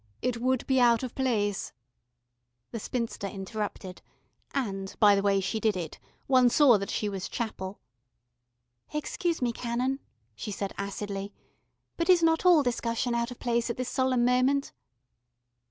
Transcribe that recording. It would be out of place " The spinster interrupted, and, by the way she did it, one saw that she was Chapel. "Excuse me, Canon," she said acidly, "but is not all discussion out of place at this solemn moment?"